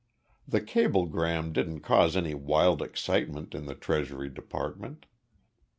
The cablegram didn't cause any wild excitement in the Treasury Department.